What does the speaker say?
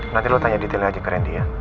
nanti lo tanya detailnya aja ke randy ya